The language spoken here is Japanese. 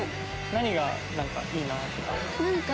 何がいいなとか。